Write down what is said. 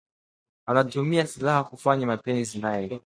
Anatumia silaha kufanya mapenzi naye